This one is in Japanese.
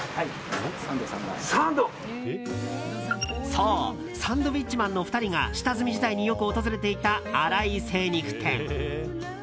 そうサンドウィッチマンの２人が下積み時代によく訪れていたアライ精肉店。